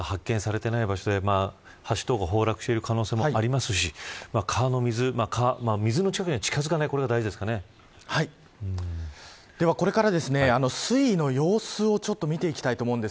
まだ発見されていない場所で橋とか崩落している可能性もありますし水の近くには近づかないではこれから水位の様子を見ていきます。